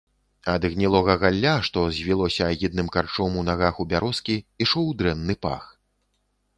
Ад гнілога галля, што звілося агідным карчом у нагах у бярозкі, ішоў дрэнны пах.